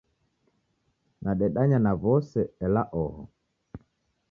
Nadedanya na w'ose, ela oho.